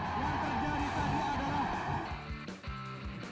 ini terjadi tadi ada